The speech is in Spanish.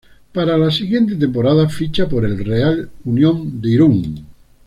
Para la siguiente temporada ficha por el Real Unión de Irún.